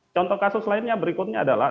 contoh kasus lainnya berikutnya adalah